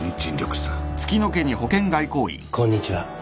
こんにちは。